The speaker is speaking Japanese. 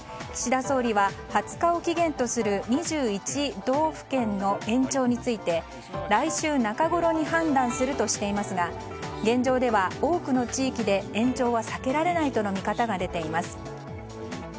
岸田総理は２０日を期限とする２１道府県の延長について来週中ごろに判断するとしていますが現状では多くの地域で延長は避けられないとの見方が出ています。